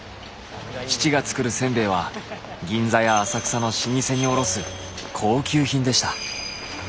父が作るせんべいは銀座や浅草の老舗に卸す高級品でした。